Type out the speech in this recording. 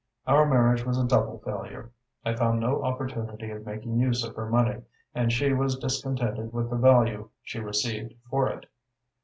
Our marriage was a double failure. I found no opportunity of making use of her money, and she was discontented with the value she received for it.